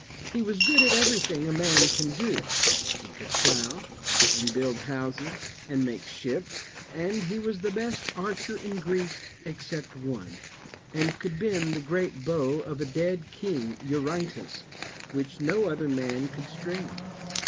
He was good at everything a man can do; he could plough, and build houses, and make ships, and he was the best archer in Greece, except one, and could bend the great bow of a dead king, Eurytus, which no other man could string.